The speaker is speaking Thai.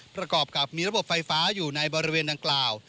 ประกอบกับมีระบบไฟฟ้าอยู่ในบริเวณดังกล่าว